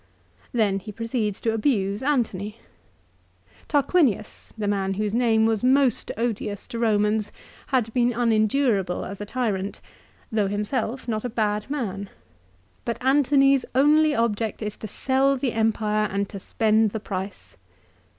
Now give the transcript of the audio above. Then he proceeds to abuse Antony. Tarquinius, the man whose name was most odious to Romans, had been unendurable as a tyrant, though himself not a bad man; but Antony's only object is to sell the empire, and to spend the price.